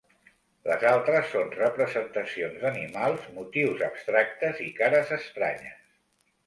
Les altres són representacions d'animals, motius abstractes i cares estranyes.